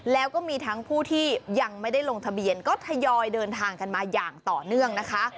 แล้วก็มีทั้งผู้ที่ยังไม่ได้ลงทะเบียนก็ทยอยเดินทางกันมาอย่างต่อเนื่องนะคะ